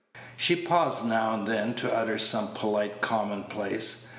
She paused now and then to utter some polite commonplace.